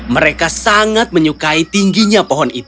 mereka sangat menyukai tingginya